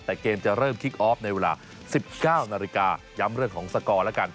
แต่เกมจะเริ่มคิกออฟในเวลา๑๙นาฬิกาย้ำเรื่องของสกอร์แล้วกัน